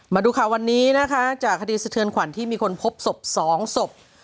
มาดูข่าววันนี้นะคะจากคดีสะเทือนขวัญที่มีคนพบศพ๒ศพ